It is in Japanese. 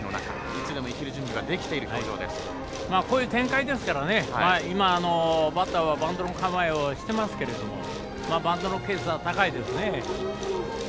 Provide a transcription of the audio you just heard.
いつでもいける準備はこういう展開ですからねバッターはバントの構えをしていますけれどバントのケースは高いですね。